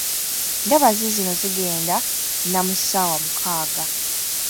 Ndaba ziizino zigenda na mu ssaawa mukaaga.